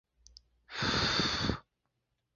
努伊隆蓬。